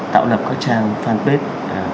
tạo lập các trang fanpage